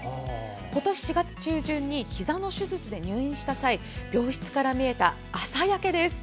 今年４月中旬にひざの手術で入院した際病室から見えた朝焼けです。